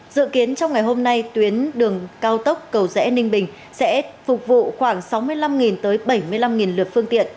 dự kiến trong ngày hôm nay tuyến đường cao tốc cầu rẽ ninh bình sẽ phục vụ khoảng sáu mươi năm tới bảy mươi năm lượt phương tiện